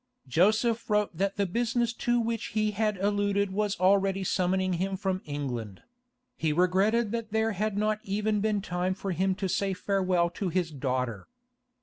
Joseph wrote that the business to which he had alluded was already summoning him from England; he regretted that there had not even been time for him to say farewell to his daughter.